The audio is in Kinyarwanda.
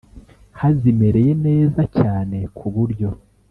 hazimereye neza cyane kuburyo